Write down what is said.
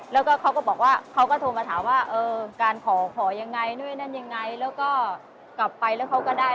แล้วก็เขาก็บอกว่าเขาก็โทรมาถามว่าเออการขอขอยังไงนู่นนั่นยังไงแล้วก็กลับไปแล้วเขาก็ได้